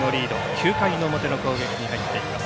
９回の表の攻撃に入っています。